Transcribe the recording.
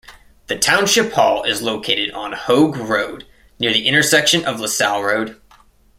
The township hall is located on Hoague Road, near the intersection of LaSalle Road.